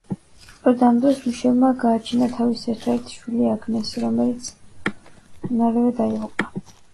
სწორედ ამ დროს, მიშელმა გააჩინა თავისი ერთადერთი შვილი, აგნესი, რომელიც მალევე დაიღუპა.